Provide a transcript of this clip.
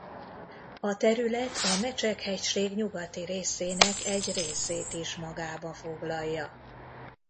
A terület a Mecsek hegység nyugati részének egy részét is magába foglalja.